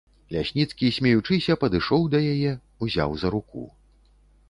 Лясніцкі, смеючыся, падышоў да яе, узяў за руку.